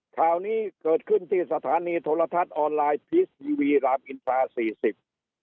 ข่าวนี้เกิดขึ้นที่สถานีโทรทัศน์ออนไลน์พีชทีวีรามอินทราสี่สิบ